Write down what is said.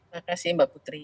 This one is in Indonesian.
terima kasih mbak putri